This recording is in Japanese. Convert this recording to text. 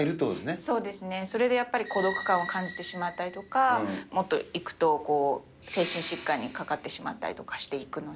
そうですね、それでやっぱり孤独感を感じてしまったりとか、もっと行くと、精神疾患にかかってしまったとかしていくので。